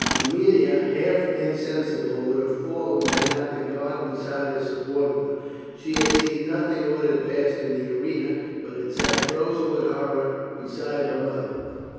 Aemilia, half insensible, would have fallen had not the guard beside her supported her. She had seen nothing of what had passed in the arena, but had sat frozen with horror beside her mother.